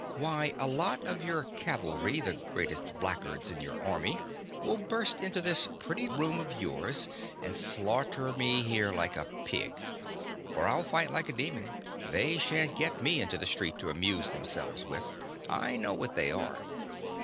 Why, a lot of your cavalry—the greatest blackguards in your army—will burst into this pretty room of yours and slaughter me here like a pig; for I'll fight like a demon: they shan't get me into the street to amuse themselves with: I know what they are.